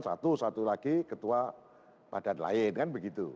satu satu lagi ketua badan lain kan begitu